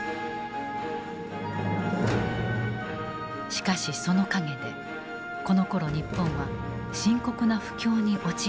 しかしその陰でこのころ日本は深刻な不況に陥っていた。